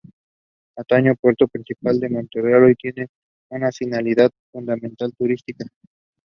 He said that the gun was one that he had used in theatrical productions.